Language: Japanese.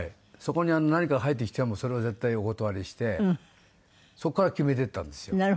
そこに何かが入ってきてもそれは絶対お断りしてそこから決めていったんですよ。